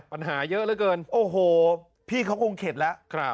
ปัญหาเยอะเหลือเกินโอ้โหพี่เขาคงเข็ดแล้ว